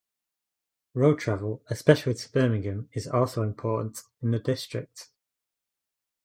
Road travel, especially to Birmingham, is also important in the district.